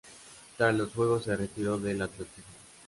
Tras los Juegos se retiró del atletismo.